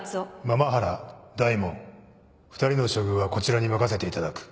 麻々原大門２人の処遇はこちらに任せていただく。